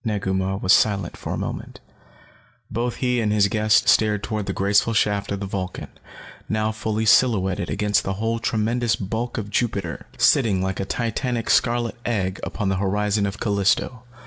Negu Mah was silent for a moment. Both he and his guest stared toward the graceful shaft of the Vulcan, now fully silhouetted against the whole tremendous bulk of Jupiter, sitting like a titanic scarlet egg upon the horizon of Callisto.